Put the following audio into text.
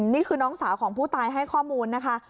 นี่คือน้องสาวของผู้ตายให้ข้อมูลนะคะ